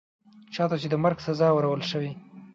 چا ته چي د مرګ سزا اورول شوې